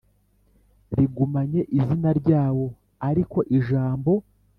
rigumanye izina ryawo ariko ijambo